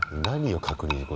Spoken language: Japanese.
何を確認。